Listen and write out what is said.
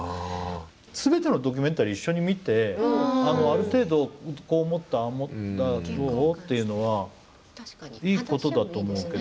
全てのドキュメンタリー一緒に見てある程度こう思ったっていうのはいいことだと思うけど。